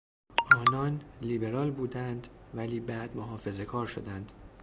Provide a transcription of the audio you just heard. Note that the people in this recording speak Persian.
آنان لیبرال بودند ولی بعد محافظه کار شدند.